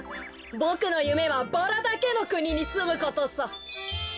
ボクのゆめはバラだけのくににすむことさ。